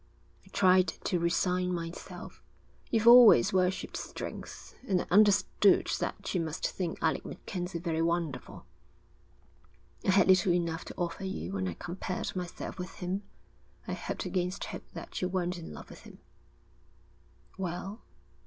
'I tried to resign myself. You've always worshipped strength, and I understood that you must think Alec MacKenzie very wonderful. I had little enough to offer you when I compared myself with him. I hoped against hope that you weren't in love with him.' 'Well?'